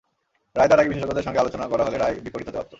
রায় দেওয়ার আগে বিশেষজ্ঞদের সঙ্গে আলোচনা করা হলে রায় বিপরীত হতে পারত।